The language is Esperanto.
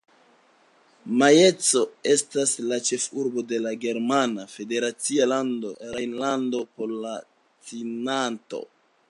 Majenco estas la ĉefurbo de la germana federacia lando Rejnlando-Palatinato-